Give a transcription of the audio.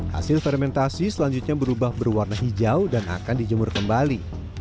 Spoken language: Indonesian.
hasil fermentasi selanjutnya berubah berwarna hijau dan akan dijemur kembali